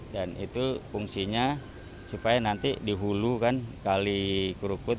dan itu fungsinya supaya nanti dihulu kan kali krukut